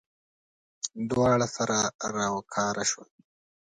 دواړه سره راوکاره شول.